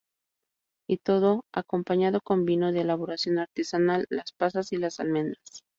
Y todo, acompañado con vino de elaboración artesanal, las pasas y las almendras.